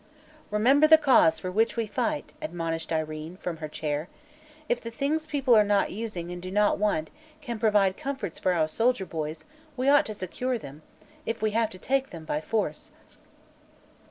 "Remember the Cause for which we fight!" admonished Irene, from her chair. "If the things people are not using, and do not want, can provide comforts for our soldier boys, we ought to secure them if we have to take them by force."